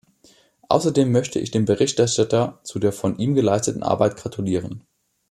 Außerdem möchte ich dem Berichterstatter zu der von ihm geleisteten Arbeit gratulieren.